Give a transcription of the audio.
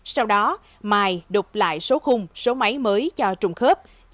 sau đó mài đục lại số khung số máy mới cho hồ chí minh